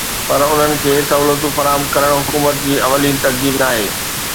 پر انهن کي سهولتون فراهم ڪرڻ حڪومت جي اولين ترجيح ناهي